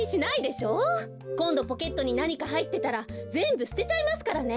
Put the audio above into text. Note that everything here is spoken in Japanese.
こんどポケットになにかはいってたらぜんぶすてちゃいますからね！